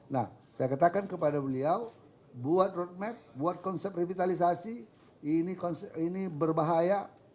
nah saya katakan kepada beliau buat roadmap buat konsep revitalisasi ini berbahaya